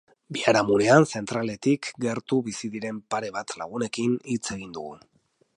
Biharamunean zentraletik gertu bizi diren pare bat lagunekin hitz egin dugu.